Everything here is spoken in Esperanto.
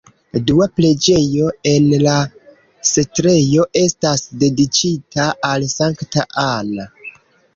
Dua preĝejo en la setlejo estas dediĉita al sankta Anna.